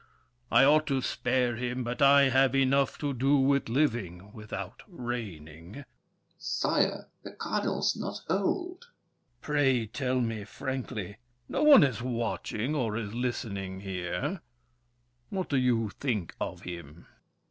I ought to spare him, but I have enough To do with living, without reigning! DUKE DE BELLEGARDE. Sire, The Cardinal's not old! THE KING. Pray, tell me frankly— No one is watching or is listening here— What do you think of him?